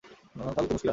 তাহলে তো মুশকিল আছে।